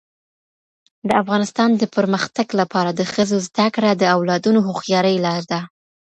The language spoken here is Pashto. د افغانستان د پرمختګ لپاره د ښځو زدهکړه د اولادونو هوښیارۍ لار ده.